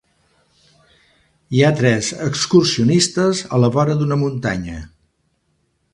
Hi ha tres excursionistes a la vora d'una muntanya.